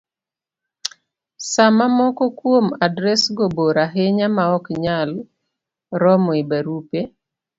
Sama moko kuom adresgo bor ahinya maok nyal romo e barupe